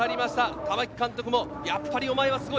玉城監督もやっぱりお前はすごい！